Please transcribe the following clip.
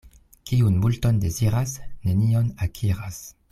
Kiu multon deziras, nenion akiras.